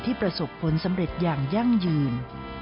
ประสบผลสำเร็จอย่างยั่งยืน